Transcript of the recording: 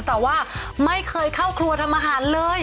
แต่ว่าไม่เคยเข้าครัวทำอาหารเลย